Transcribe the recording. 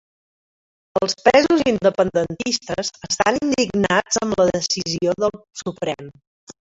Els presos independentistes estan indignats amb la decisió del Suprem.